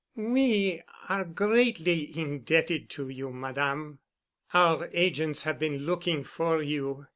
"We are greatly indebted to you, Madame. Our agents have been looking for you.